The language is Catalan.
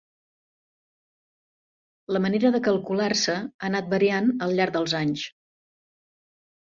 La manera de calcular-se ha anat variant al llarg dels anys.